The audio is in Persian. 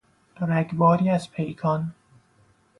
رگباری از پیکان